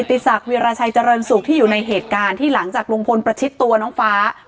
ติศักดิราชัยเจริญสุขที่อยู่ในเหตุการณ์ที่หลังจากลุงพลประชิดตัวน้องฟ้า